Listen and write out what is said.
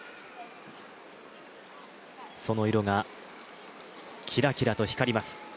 その色が、キラキラと光ります。